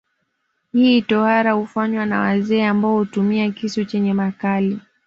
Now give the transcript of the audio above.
Hii tohara hufanywa na wazee ambao hutumia kisu chenye makali